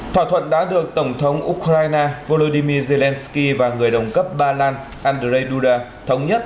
thỏa thuận đã được tổng thống ukraine volodymyr zelensky và người đồng cấp ba lan andrzej duda thống nhất